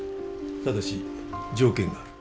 ただし条件がある。